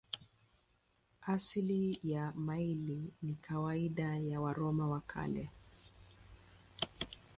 Asili ya maili ni kawaida ya Waroma wa Kale.